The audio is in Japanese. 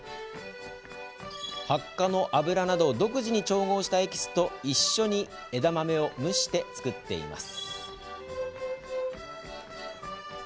ハッカの油などを独自に調合したエキスと一緒に枝豆を蒸して作っています。